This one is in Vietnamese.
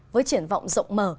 với triển vọng rộng mở